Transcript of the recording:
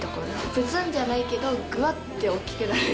ぶつんじゃないけど、ぐわって大きくなる。